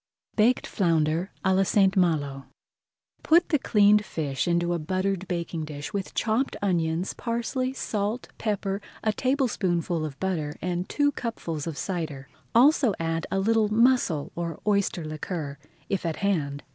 BAKED FLOUNDER À LA ST. MALO Put the cleaned fish into a buttered baking dish with chopped onions, parsley, salt, pepper, a tablespoonful of butter and two cupfuls of cider. Add also a little mussel or oyster liquor if at hand.